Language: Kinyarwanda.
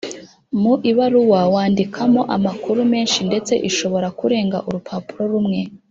mu ibaruwa wandikamo amakuru menshi ndetse ishobora kurenga urupapuro rumwe